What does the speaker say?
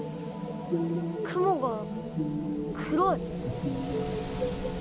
雲が黒い。